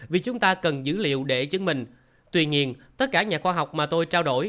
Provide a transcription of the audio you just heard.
vì chúng ta cần dữ liệu để chứng minh tuy nhiên tất cả nhà khoa học mà tôi trao đổi